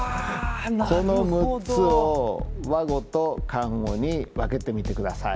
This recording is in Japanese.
この６つを和語と漢語に分けてみてください。